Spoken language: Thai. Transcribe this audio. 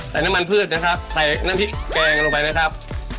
น้ำมันพืชนะครับใส่น้ำพริกแกงลงไปนะครับ